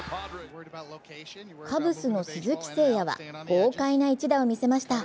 カブスの鈴木誠也は豪快な一打を見せました。